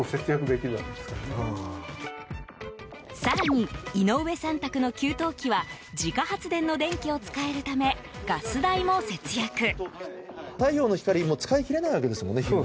更に井上さん宅の給湯器は自家発電の電気を使えるためガス代も節約。